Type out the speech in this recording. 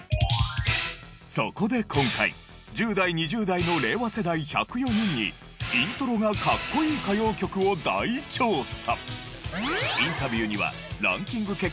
そこで今回１０代２０代の令和世代１０４人にイントロが格好いい歌謡曲を大調査。